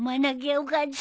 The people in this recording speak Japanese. よかった。